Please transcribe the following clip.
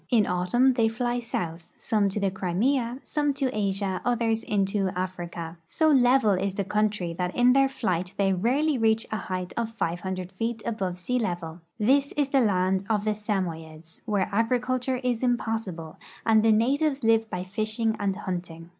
In autumn they fly south — some to the Crimea, some to Asia, others into Africa. So level is the countr}'^ that in their flight they rarely reach a lieight of 500 feet above sea level. This is the land of the Samoyeds, where agriculture is impossi ble, and the natives live by Ashing and hunting.